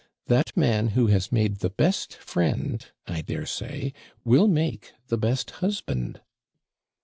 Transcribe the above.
That man who has made the best friend, I dare say, will make the best husband!"